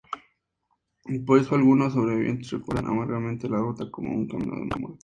Por eso, algunos sobrevivientes recuerdan amargamente la ruta como un "Camino de la Muerte".